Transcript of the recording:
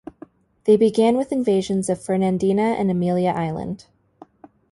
They began with invasions of Fernandina and Amelia Island.